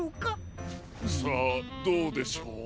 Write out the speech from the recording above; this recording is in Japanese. さあどうでしょう？